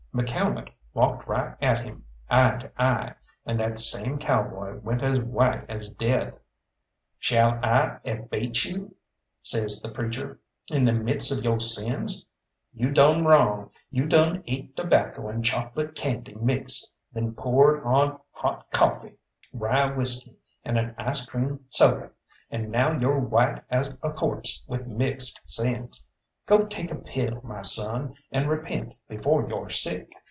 McCalmont walked right at him, eye to eye, and that same cowboy went as white as death. "Shall I abate you," says the preacher, "in the midst of yo' sins? You done wrong you done ate tobacco and chocolate candy mixed, then poured on hot cawfee, rye whisky, and an ice cream soda; and now yo're white as a corpse with mixed sins. Go take a pill, my son, and repent before yo're sick."